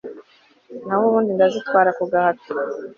naho ubundi ndazitwara ku gahato